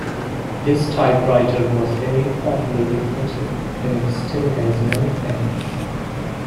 This typewriter was very popular in Italy, and it still has many fans.